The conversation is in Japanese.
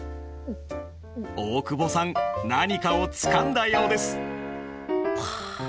大久保さん何かをつかんだようです。